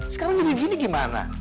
sekarang jadi gini gimana